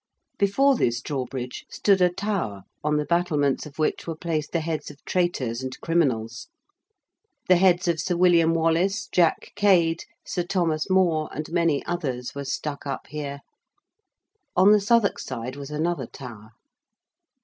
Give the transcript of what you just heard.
Before this drawbridge stood a tower on the battlements of which were placed the heads of traitors and criminals. The heads of Sir William Wallace, Jack Cade, Sir Thomas More and many others were stuck up here. On the Southwark side was another tower.